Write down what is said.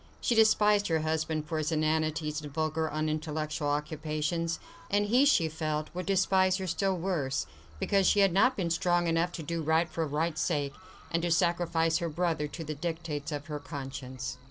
She despised her husband for his inanities and vulgar, unintellectual occupations; and he, she felt, would despise her still worse, because she had not been strong enough to do right for right's sake, and to sacrifice her brother to the dictates of her conscience.